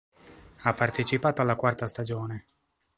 Ha partecipato alla quarta stagione.